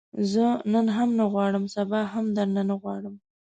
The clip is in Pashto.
زه نن هم نه غواړم، سبا هم درنه نه غواړمه